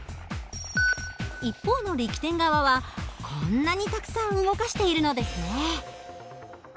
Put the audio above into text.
一方の力点側はこんなにたくさん動かしているのですね。